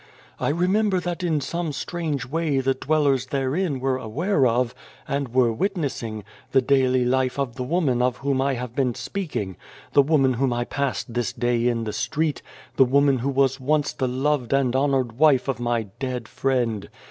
I remember that in 119 The Face some strange way the dwellers therein were aware of, and were witnessing, the daily life of the woman of whom I have been speaking, the woman whom I passed this day in the street, the woman who was once the loved and honoured wife of my dead friend.